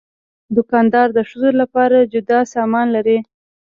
دوکاندار د ښځو لپاره جدا سامان لري.